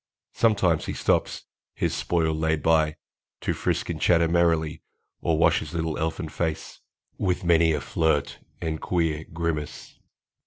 Sometimes he stops, his spoil laid by, To frisk and chatter merrily, Or wash his little elfin face, With many a flirt and queer grimace.